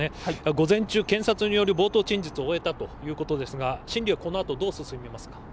午前中検察による冒頭陳述を終えたということですがこのあとどのように進みますか。